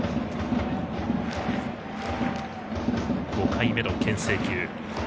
５回目のけん制球でした。